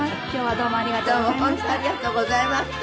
どうも本当ありがとうございました。